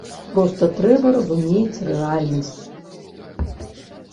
Проста трэба разумець рэальнасць.